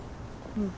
うん。